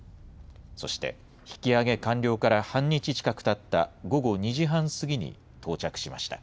そして、引き揚げ完了から半日近くたった午後２時半過ぎに到着しました。